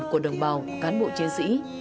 của đồng bào cán bộ chiến sĩ